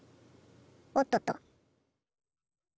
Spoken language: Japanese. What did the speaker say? おっとっと！